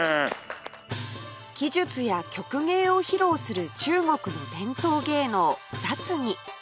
奇術や曲芸を披露する中国の伝統芸能雑技